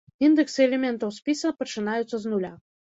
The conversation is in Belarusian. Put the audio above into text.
Індэксы элементаў спіса пачынаюцца з нуля.